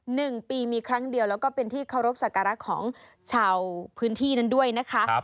หนึ่งปีมีครั้งเดียวแล้วก็เป็นที่เคารพสักการะของชาวพื้นที่นั้นด้วยนะคะครับ